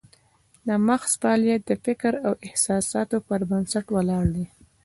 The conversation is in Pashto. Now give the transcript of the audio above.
د مغز فعالیت د فکر او احساساتو پر بنسټ ولاړ دی